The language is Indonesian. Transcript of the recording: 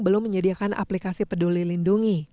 belum menyediakan aplikasi peduli lindungi